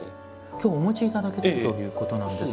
今日お持ち頂けているということなんですが。